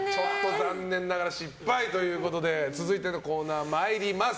残念ながら失敗ということで続いてのコーナーです。